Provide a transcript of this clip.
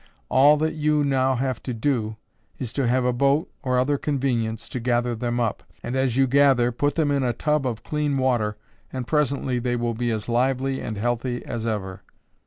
All that you now have to do, is to have a boat, or other convenience to gather them up, and as you gather put them in a tub of clean water and presently they will be as lively and healthy as ever.